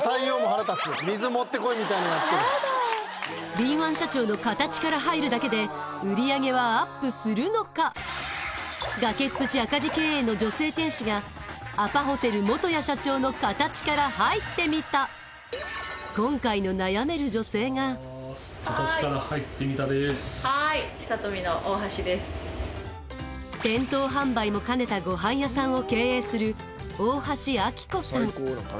敏腕社長の形から入るだけで売り上げはアップするのか崖っぷち赤字経営の女性店主がアパホテル元谷社長の形から入ってみたはーい「形から入ってみた」ですはーい店頭販売も兼ねたごはん屋さんを経営する大橋明子さん